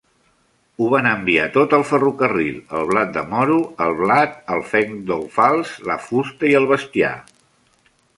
Ho van enviar tot al ferrocarril: el blat de moro, el blat, el fenc d'alfals, la fusta i el bestiar.